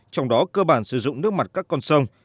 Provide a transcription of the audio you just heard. trong đó cơ bản sử dụng nước mặt các con sông